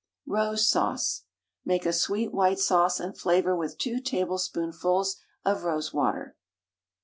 ROSE SAUCE. Make a sweet white sauce, and flavour with 2 tablespoonfuls of rosewater.